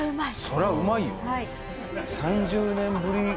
そりゃうまいよ。